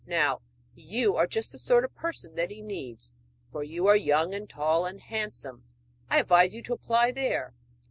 Now you are just the sort of person that he needs, for you are young and tall, and handsome; I advise you to apply there.'